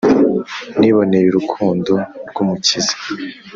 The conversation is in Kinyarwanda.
Niboney' urukundo rw'Umukiza.